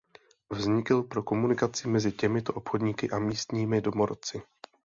Vznikl pro komunikaci mezi těmito obchodníky a místními domorodci.